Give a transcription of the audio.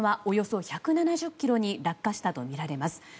およそ１７０ｋｍに落下したとみられます。